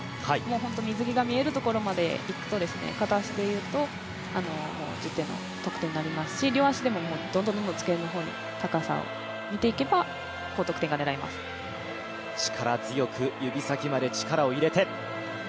本当に水着が見えるところまでいくと片足でいくと１０点の得点になりますし両足でもどんどん高さを上げていけば力強く指先まで力を入れて。